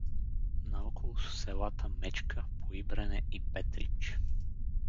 Наоколо са селата Мечка, Поибрене и Петрич.